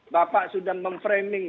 bapak sudah memframing